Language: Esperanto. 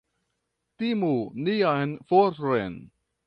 Timu nian forton!